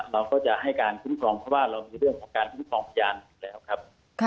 เราก็จะให้การคุ้มครองเพราะว่าเรามีเรื่องของการคุ้มครองพยานอยู่แล้วครับ